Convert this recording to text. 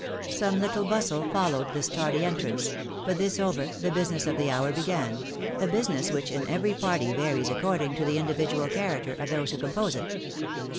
Some little bustle followed this tardy entrance ; but this over, the business of the hour began — a business which in every party varies according to the individual character of those who compose it.